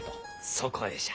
そこでじゃ。